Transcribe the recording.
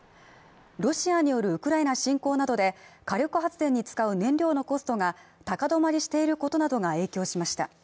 ロシアによるウクライナ侵攻などで火力発電に使う燃料のコストなどが高止まりしていることなどが影響しました。